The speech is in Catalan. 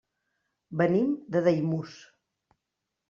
Venim de Daimús.